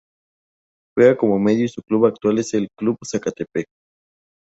Juega como medio y su club actual es el Club Zacatepec.